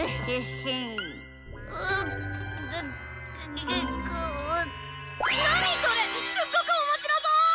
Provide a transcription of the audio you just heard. すっごくおもしろそう！